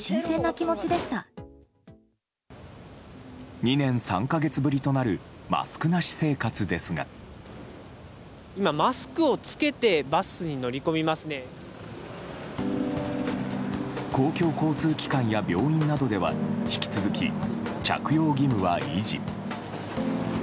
２年３か月ぶりとなるマスクなし生活ですが公共交通機関や病院などでは引き続き着用義務は維持。